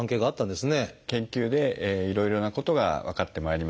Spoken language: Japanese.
研究でいろいろなことが分かってまいりました。